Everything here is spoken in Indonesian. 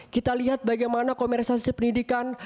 kita lihat bagaimana komerisasi pendidikan